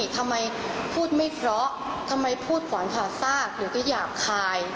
ทำไมพูดไม่เพราะทำไมพูดขวานผ่าซากหรือก็หยาบคาย